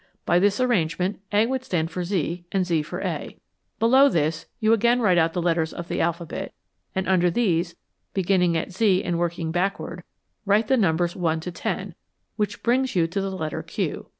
By this arrangement, A would stand for Z and Z for A. Below This you again write out the letters of the alphabet, and under these, beginning at Z and working backward, write the numbers 1 to 10, which brings you to the letter Q.